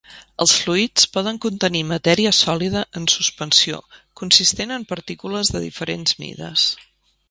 Els fluids poden contenir matèria sòlida en suspensió consistent en partícules de diferents mides.